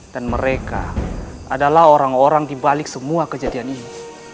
dan mereka adalah orang orang dibalik semua kejadian ini